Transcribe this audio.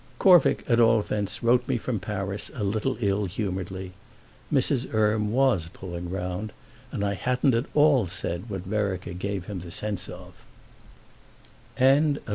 Corvick at all events wrote me from Paris a little ill humouredly. Mrs. Erme was pulling round, and I hadn't at all said what Vereker gave him the sense of.